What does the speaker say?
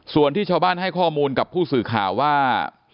ส่วนที่ชาวบ้านให้ข้อมูลกับผู้สื่อข่าวว่า